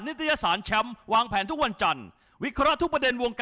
เราจะไปกับครัวจักรทาง